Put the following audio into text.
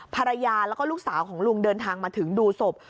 ภรรยาแล้วก็ลูกสาวของลุงเดินทางมาถึงดูศพ